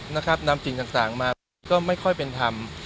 นำสิ่งต่างมาก็ไม่ค่อยเป็นธรรม